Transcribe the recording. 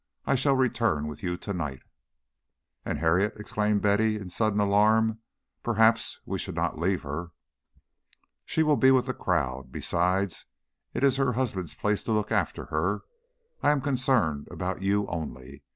I shall return with you tonight " "And Harriet!" exclaimed Betty, in sudden alarm. "Perhaps we should not leave her." "She will be with the crowd. Besides, it is her husband's place to look after her. I am concerned about you only.